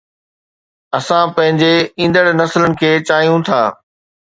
اسان پنهنجي ايندڙ نسلن کي چاهيون ٿا